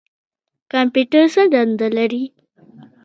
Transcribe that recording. کمپیوټر څه دنده لري؟